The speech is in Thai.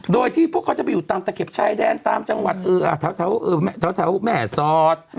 โดยที่พวกเขาจะไปอยู่ตามตะเข็บชายแดนตามจังหวัดแถวแม่สอด